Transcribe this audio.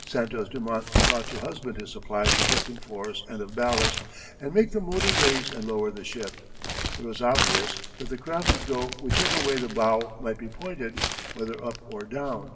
Santos Dumont thought to husband his supplies of lifting force and of ballast, and make the motor raise and lower the ship. It was obvious that the craft would go whichever way the bow might be pointed, whether up or down.